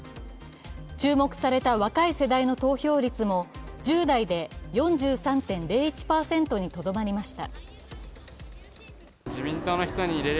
注目された若い世代の投票率も、１０代で４３．０１％にとどまりました。